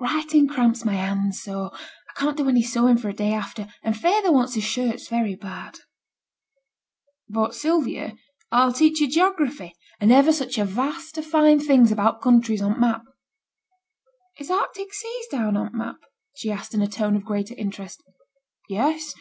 'Writing cramps my hand so, I can't do any sewing for a day after; and feyther wants his shirts very bad.' 'But, Sylvia, I'll teach you geography, and ever such a vast o' fine things about t' countries, on t' map.' 'Is t' Arctic seas down on t' map?' she asked, in a tone of greater interest. 'Yes!